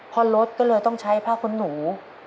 พ่อรถก็เลยต้องใช้ผ้าคุณหนู